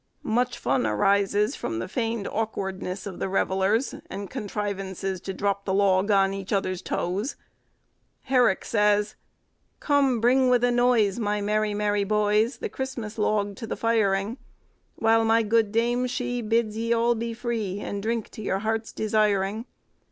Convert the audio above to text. Much fun arises from the feigned awkwardness of the revellers, and contrivances to drop the log on each other's toes. Herrick says— "Come, bring with a noise, My merrie merrie boyes, The Christmas log to the firing; While my good dame, she Bids ye all be free, And drinke to your heart's desiring.